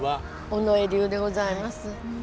尾上流でございます。